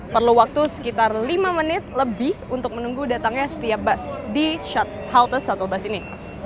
perlu waktu sekitar lima menit lebih untuk menunggu datangnya setiap bus di halte shuttle bus ini